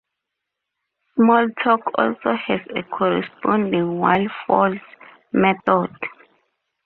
Smalltalk also has a corresponding whileFalse: method.